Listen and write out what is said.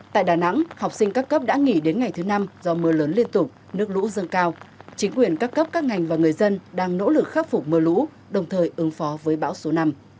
tại đà nẵng học sinh các cấp đã nghỉ đến ngày thứ năm do mưa lớn liên tục nước lũ dâng cao chính quyền các cấp các ngành và người dân đang nỗ lực khắc phục mưa lũ đồng thời ứng phó với bão số năm